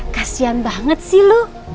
kasian banget sih lu